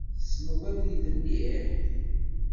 Tesneḍ abrid mliḥ?